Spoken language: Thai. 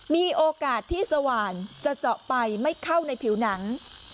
มีโอกาสที่สว่านจะเจาะไปไม่เข้าในผิวหนัง